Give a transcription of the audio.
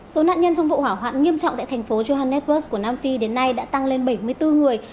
số nạn nhân trong vụ hỏa hoạn nghiêm trọng tại thành phố johannesburg của nam phi đến nay đã tăng lên bảy mươi bốn người